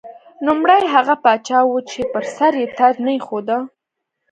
نوموړی هغه پاچا و چې پر سر یې تاج نه ایښوده.